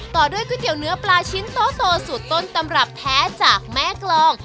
ต่อด้วยก๋วยเตี๋ยวเนื้อปลาชิ้นโตสูตรต้นตำรับแท้จากแม่กรอง